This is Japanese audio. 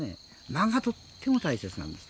間がとっても大切なんです。